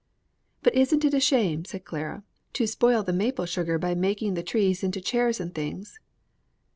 "But isn't it a shame," said Clara, "to spoil the maple sugar by making the trees into chairs and things?"